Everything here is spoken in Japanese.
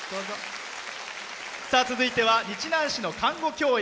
続いては日南市の看護教員。